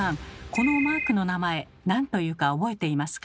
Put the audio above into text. このマークの名前なんというか覚えていますか？